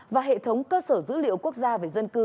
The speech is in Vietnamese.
và hệ thống cơ sở dữ liệu quốc gia về dân cư